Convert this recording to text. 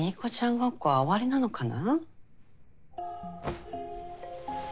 ごっこは終わりなのかな？